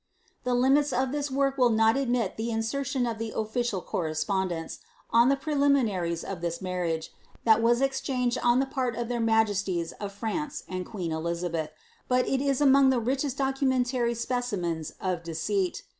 The limits of this work will not admit of the insertion of the official correspondence, on the preliminaries of this marriage^ that was ex changed on the part of their majesties of France and queen Elizabeth, but it is among the richest documentary specimens of deceit.